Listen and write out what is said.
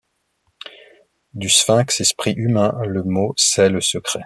Du sphinx Esprit Humain le mot sait le secret.